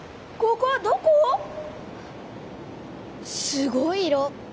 すごい色。